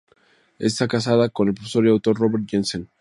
Está casada con el profesor y autor Robert Jensen.